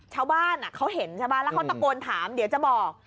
ชาวบ้านเขาเห็นใช่ไหมแล้วเขาตะโกนถามเดี๋ยวจะบอก